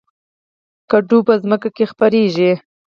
کدو په ځمکه خپریږي